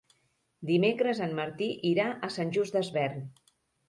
Dimecres en Martí irà a Sant Just Desvern.